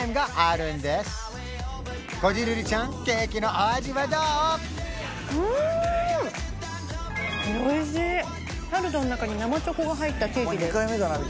おいしいタルトの中に生チョコが入ったケーキです